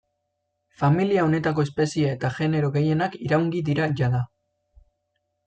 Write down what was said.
Familia honetako espezie eta genero gehienak iraungi dira jada.